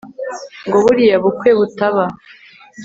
ngo buriya bukwe butaba